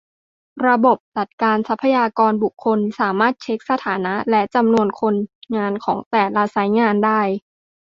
ระบบจัดการทรัพยากรบุคคล สามารถเช็คสถานะและจำนวนคนงานของแต่ละไซต์งานได้